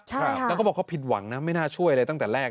ถ้าเขาบอกว่าผิดหวังไม่น่าช่วยอะไรตั้งแต่แรก